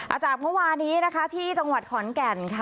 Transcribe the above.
อาจารย์เมื่อวานนี้ที่จังหวัดขอนแก่น